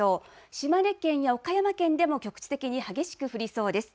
島根県や岡山県でも局地的に激しく降りそうです。